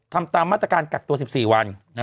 ทำตามมาตรการกักตัว๑๔วัน